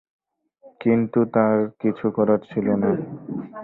কিন্তু তার কিছু করার ছিলনা।